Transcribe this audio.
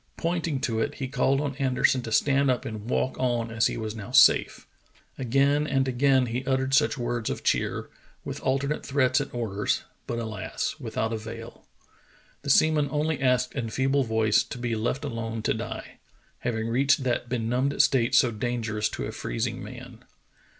Pointing to it, he called on Anderson to stand up and walk on as he was now safe. Again and again he uttered such words of cheer, with alternate threats and orders, but alas! without avail. The seaman only asked in feeble voice to be left alone to die," having reached that benumbed state so dangerous to a freezing man.